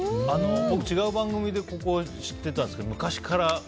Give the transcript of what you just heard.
僕、違う番組でここ知ってたんですけど昔から